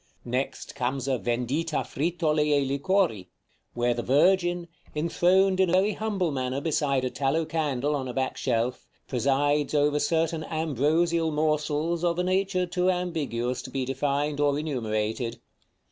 Next comes a "Vendita Frittole e Liquori," where the Virgin, enthroned in a very humble manner beside a tallow candle on a back shelf, presides over certain ambrosial morsels of a nature too ambiguous to be defined or enumerated.